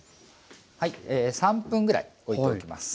はい３分ぐらいおいておきます。